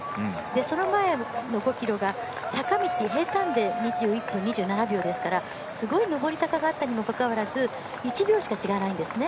その前の５ｋｍが坂道、平たんで２１分２７秒ですから、すごい上り坂があったにもかかわらず１秒しか違わないんですね。